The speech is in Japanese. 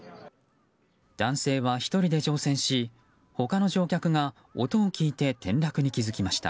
男性は１人で乗船し他の乗客が音を聞いて転落に気づきました。